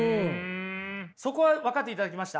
そこは分かっていただけました？